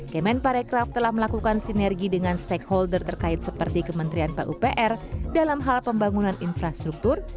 kemen parekraf telah melakukan sinergi dengan stakeholder terkait seperti kementerian pupr dalam hal pembangunan infrastruktur